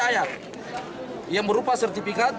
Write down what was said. yang berupa sertifikat dua ratus satu